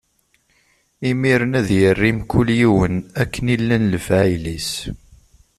Imiren ad yerr i mkul yiwen akken i llan lefɛayel-is.